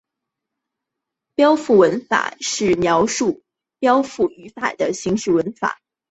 附标文法是描述附标语言的形式文法。